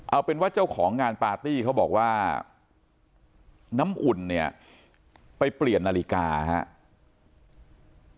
เอาเป็นว่าเจ้าของงานปาร์ตี้เขาบอกว่าน้ำอุ่นเนี่ยไปเปลี่ยนนาฬิกาครับ